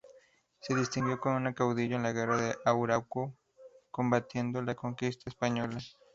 Se distinguió como caudillo en la guerra de Arauco, combatiendo la conquista española.